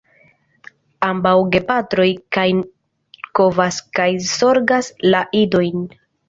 Ambaŭ gepatroj kaj kovas kaj zorgas la idojn.